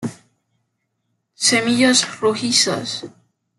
Semillas rojizas.